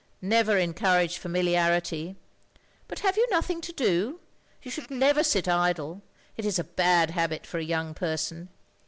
Never encourage familiarity. But have you nothing to do? You should never sit idle. It is a bad habit for a young person.